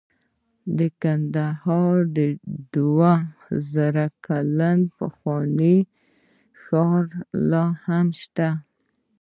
د کندهار دوه زره کلن پخوانی ښار لاهم شته